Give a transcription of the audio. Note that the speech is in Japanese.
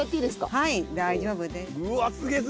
はい大丈夫です。